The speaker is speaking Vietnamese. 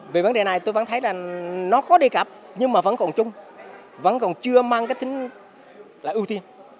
về vấn đề này tôi vẫn thấy là nó khó đề cập nhưng mà vẫn còn chung vẫn còn chưa mang cái tính là ưu tiên